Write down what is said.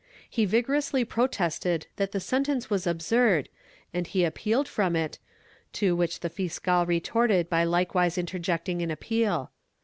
He vigorously pro tested that the sentence was absurd and he appealed from it, to which the fiscal retorted by likewise interjecting an appeal.